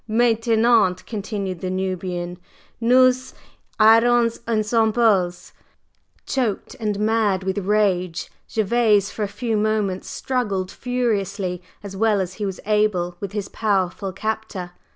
"Maintenant," continued the Nubian. "Nous irons ensemble!" Choked and mad with rage, Gervase for a few moments struggled furiously as well as he was able with his powerful captor.